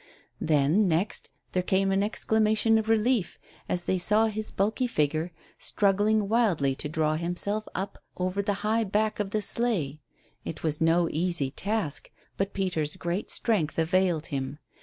Then, next, there came an exclamation of relief as they saw his bulky figure struggling wildly to draw himself up over the high back of the sleigh. It was no easy task, but Peter's great strength availed him.